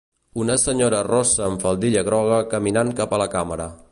Una senyora rossa amb faldilla groga caminant cap a la càmera.